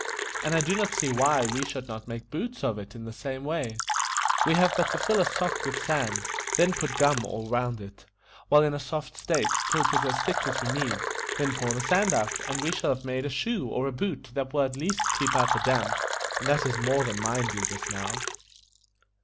"And I do not see why we should not make boots of it in the same way. We have but to fill a sock with sand, then put gum all round it, while in a soft state, till it is as thick as we need, then pour the sand out, and we shall have made a shoe or a boot that will at least keep out the damp, and that is more than mine do just now."